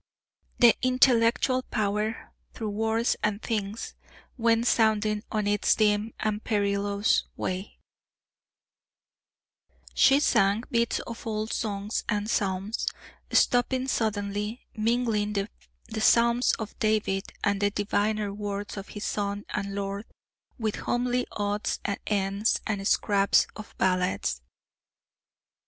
"The intellectual power, through words and things, Went sounding on its dim and perilous way;" she sang bits of old songs and psalms, stopping suddenly, mingling the Psalms of David, and the diviner words of his Son and Lord, with homely odds and ends and scraps of ballads.